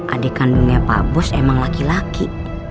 adik kandungnya pak bus emang laki laki